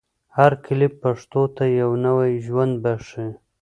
هر کلیپ پښتو ته یو نوی ژوند بښي.